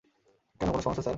কেন, কোনও সমস্যা, স্যার?